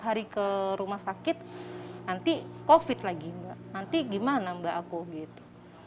hari ke rumah sakit nanti covid lagi mbak nanti gimana mbak aku gitu